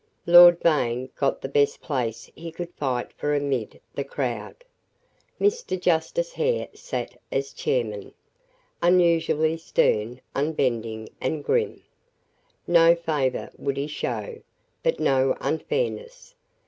Lord Vane got the best place he could fight for amid the crowd. Mr. Justice Hare sat as chairman, unusually stern, unbending, and grim. No favor would he show, but no unfairness.